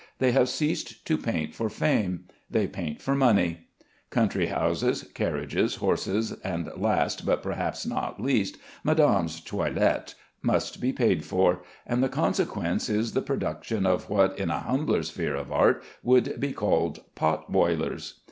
They have ceased to paint for fame; they paint for money. Country houses, carriages, horses, and last, but perhaps not least, madame's toilette, must be paid for, and the consequence is the production of what in a humbler sphere of art would be called pot boilers.